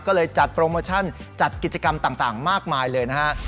ก็เลยจัดโปรโมชั่นจัดกิจกรรมต่างมากมายเลยนะฮะ